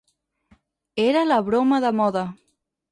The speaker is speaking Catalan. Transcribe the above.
Era la broma de moda.